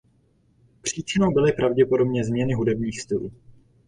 Příčinou byly pravděpodobně změny hudebních stylů.